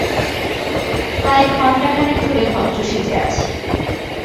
প্রায় ঘন্টাখানেক ধরে ভদ্র সেজে আছি।